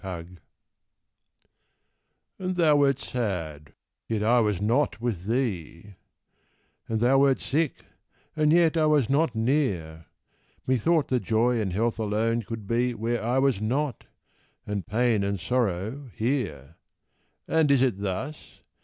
And thou wert sad yet I was not with thee; And thou wert sick, and yet I was not near; Methought that Joy and Health alone could be Where I was not and pain and sorrow here! And is it thus?